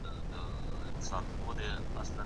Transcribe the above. که توري سره یو شان نه وي نو ماشین نښه لګوي.